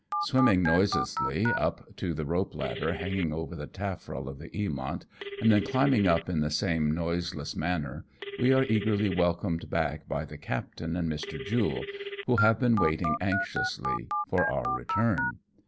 Swimming noiselessly up to the rope ladder hanging over the taffrail of the Eamont, and then climbing up in the same noiseless manner, we are eagerly welcomed back by the captain and Mr. Jule, who have been waiting anxiously for our return.